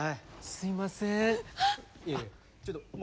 すいません